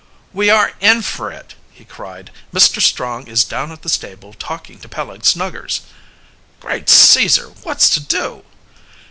"We are in for it!" he cried. "Mr. Strong is down at the stable talking to Peleg Snuggers." "Great Caesar! What's to do?"